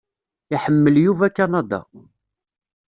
Iḥemmel Yuba Kanada.